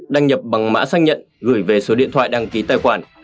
đăng nhập bằng mã xác nhận gửi về số điện thoại đăng ký tài khoản